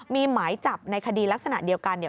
มีหมายจับในคดีลักษณะเดียวกันเนี่ย